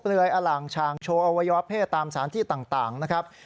อล่างชางโชว์อวัยวะเพศตามสารที่ต่างนะครับ